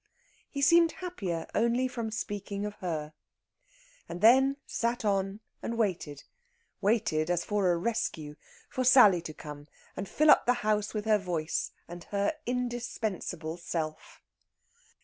He seemed happier only from speaking of her. And then sat on and waited waited as for a rescue for Sally to come and fill up the house with her voice and her indispensable self.